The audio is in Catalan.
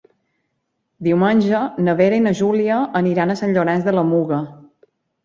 Diumenge na Vera i na Júlia aniran a Sant Llorenç de la Muga.